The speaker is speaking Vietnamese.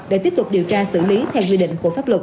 để tiếp tục điều tra xử lý theo quy định của pháp luật